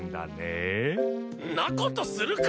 んなことするか！